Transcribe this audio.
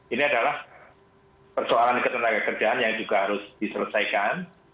ini adalah persoalan ketenagakerjaan yang juga harus diselesaikan